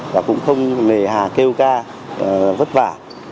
và cũng không nề hà kêu ca vất vả